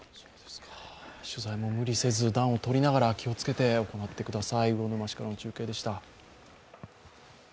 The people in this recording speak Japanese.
取材も無理せず、暖をとりながら行ってください。